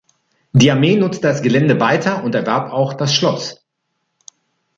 Die Armee nutzte das Gelände weiter und erwarb auch das Schloss.